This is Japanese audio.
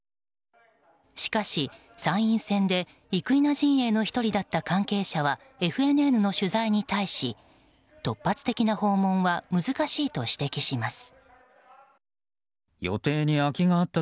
しかし、参院選で生稲陣営の１人だった関係者はＦＮＮの取材に対し突発的な訪問は難しいと指摘します。